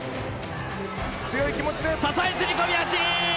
支え釣り込み足！